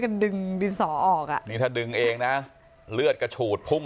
ดึงดินสอออกอ่ะนี่ถ้าดึงเองนะเลือดกระฉูดพุ่ง